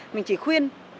mình chỉ khuyên